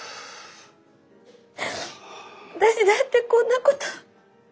私だってこんなこと。